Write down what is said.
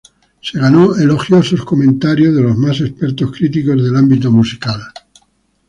Se ganó elogiosos comentarios de los más expertos críticos del ámbito musical.